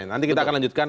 nanti kita akan lanjutkan